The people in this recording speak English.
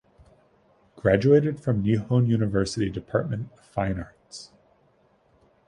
Graduated from Nihon University Department of Fine Arts.